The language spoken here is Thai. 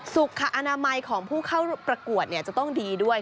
สุขอนามัยของผู้เข้าประกวดจะต้องดีด้วย